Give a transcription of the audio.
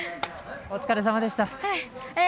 お疲れさまでした。